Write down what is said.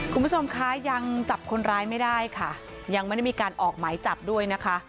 คุณผู้ชมคะยังจับคนร้ายไม่ได้ค่ะยังไม่ได้มีการออกหมายจับด้วยนะคะ